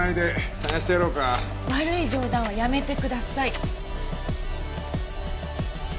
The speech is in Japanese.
悪い冗談はやめてください！